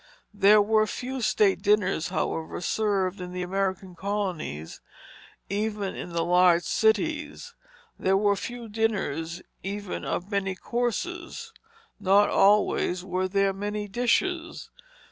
There were few state dinners, however, served in the American colonies, even in the large cities; there were few dinners, even, of many courses; not always were there many dishes.